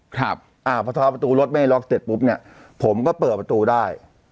ครับอ่าพอท้อประตูรถไม่ล็อกเสร็จปุ๊บเนี่ยผมก็เปิดประตูได้